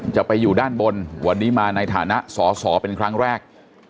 จะไปอยู่ด้านบนวันนี้มาในฐานะสอสอเป็นครั้งแรก